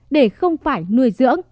để không phải nuôi dưỡng